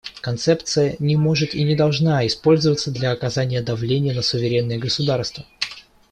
Концепция не может и не должна использоваться для оказания давления на суверенные государства.